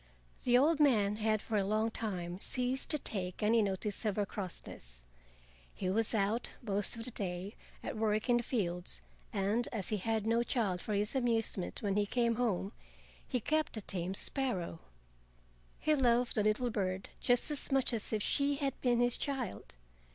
The old man had for a long time ceased to take any notice of her crossness. He was out most of the day at work in the fields, and as he had no child, for his amusement when he came home, he kept a tame sparrow. He loved the little bird just as much as if she had been his child.